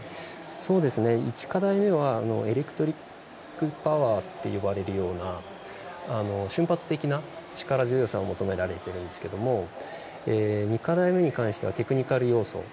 １課題目はエレクトリックパワーと呼ばれるような瞬発的な力強さを求められているんですけども２課題目に関してはテクニカル要素。